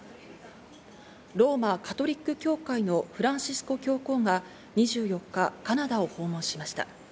ローマ・カトリック教会のフランシスコ教皇が２４日、カナダを訪問しました。